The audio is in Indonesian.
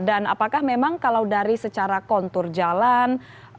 dan apakah memang kalau dari secara kontur jalan